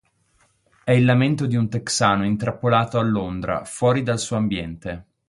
È il lamento di un texano intrappolato a Londra, fuori dal suo ambiente.